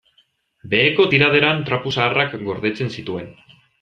Beheko tiraderan trapu zaharrak gordetzen zituen.